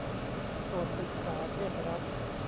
โสตศึกษาเทพรัตน์